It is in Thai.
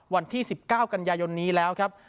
วันที่๑๙กันยายนนี้แล้วครับ